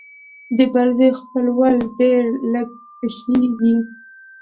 د بل زوی خپلول ډېر لږ پېښېږي